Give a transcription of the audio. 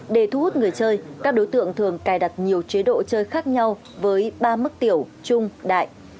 để thu hút người chơi các đối tượng thường cài đặt nhiều chế độ chơi khác nhau với ba mức tiểu trung đại